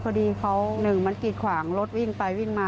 พอดีเขาหนึ่งมันกีดขวางรถวิ่งไปวิ่งมา